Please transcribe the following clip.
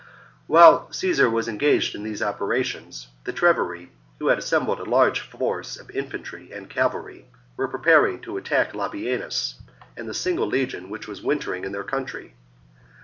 7. While Caesar was engaged in these opera tions, the Treveri, ^ho had assembled a large force of infantry and cavalry, were preparing to attack Labienus and the single legion which was wintering in their country.